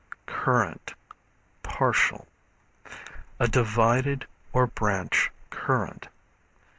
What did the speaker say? Current, Partial. A divided or branch current.